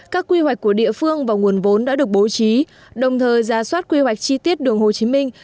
các quy hoạch của địa phương và nguồn vốn đã được bố trí đồng thời ra soát quy hoạch chi tiết đường hồ chí minh